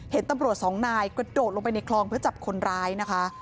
เห็นตำรวจสองนายกระโดดลงไปในคลองเพื่อจับคนร้ายนะคะ